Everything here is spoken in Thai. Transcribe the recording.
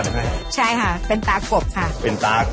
นี่คือขั้นตอนการ